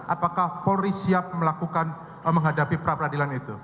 apakah polri siap melakukan menghadapi pra peradilan itu